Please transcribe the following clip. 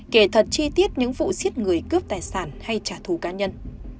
kể thật chi tiết những vụ giết người cướp tài sản hay trả thù cá nhân